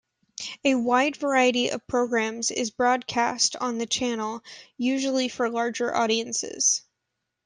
A wide variety of programs is broadcast on the channel, usually for larger audiences.